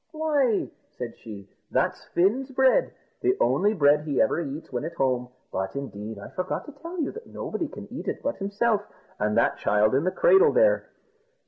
"Why," said she, "that's Fin's bread the only bread he ever eats when at home; but, indeed, I forgot to tell you that nobody can eat it but himself, and that child in the cradle there.